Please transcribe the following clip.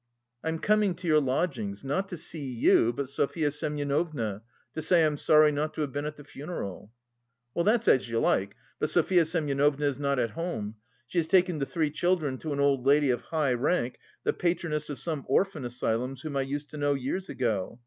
"I'm coming to your lodgings, not to see you but Sofya Semyonovna, to say I'm sorry not to have been at the funeral." "That's as you like, but Sofya Semyonovna is not at home. She has taken the three children to an old lady of high rank, the patroness of some orphan asylums, whom I used to know years ago.